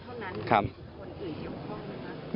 หรือคนอื่นเดียวข้องหรือเปล่า